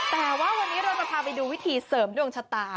แต่ว่าวันนี้เราจะพาไปดูวิธีเสริมดวงชะตา